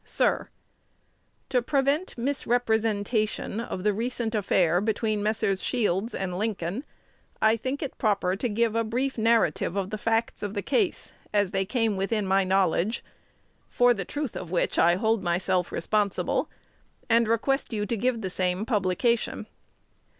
Sir, To prevent misrepresentation of the recent affair between Messrs. Shields and Lincoln, I think it proper to give a brief narrative of the facts of the case, as they came within my knowledge; for the truth of which I hold myself responsible, and request you to give the same publication.